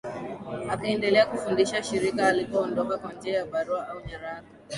Akaendelea kufundisha shirika alipoondoka kwa njia ya barua au nyaraka